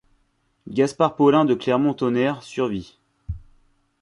Gaspard Paulin de Clermont-Tonnerre survit.